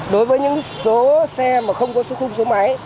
đối với những số xe mà không có số khung số máy